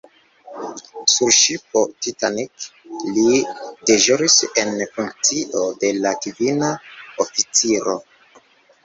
Sur ŝipo "Titanic" li deĵoris en funkcio de la kvina oficiro.